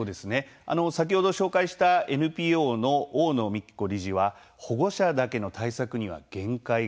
先ほど紹介したＮＰＯの大野美喜子理事は保護者だけの対策には限界がある。